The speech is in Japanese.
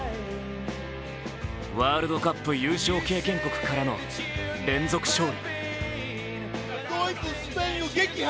ワールドカップ優勝経験国からの連続勝利。